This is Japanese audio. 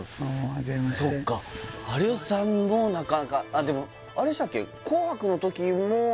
初めましてそっか有吉さんもなかなかでもあれでしたっけ？